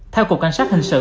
theo cục cảnh sát hình sự